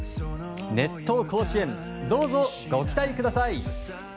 「熱闘甲子園」どうぞご期待ください！